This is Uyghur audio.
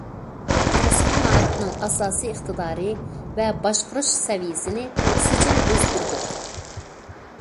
كەسپىي مائارىپنىڭ ئاساسىي ئىقتىدارى ۋە باشقۇرۇش سەۋىيەسىنى سىجىل ئۆستۈردۇق.